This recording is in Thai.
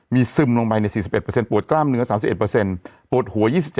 มีซึมลงไปใน๔๑ปวดกล้ามเนื้อ๓๑ปวดหัว๒๗